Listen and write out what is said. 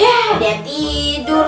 ya dia tidur